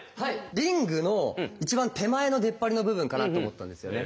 リングの一番手前の出っ張りの部分かなと思ったんですよね。